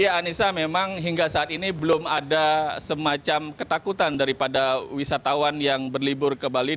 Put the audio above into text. ya anissa memang hingga saat ini belum ada semacam ketakutan daripada wisatawan yang berlibur ke bali